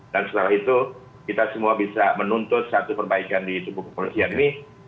dan setelah itu kita semua bisa menuntut satu perbaikan di tubuh kepolisian ini